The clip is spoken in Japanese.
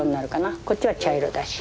こっちは茶色だし。